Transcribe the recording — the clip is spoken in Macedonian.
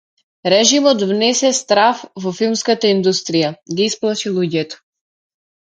Режимот внесе страв во филмската индустрија, ги исплаши луѓето.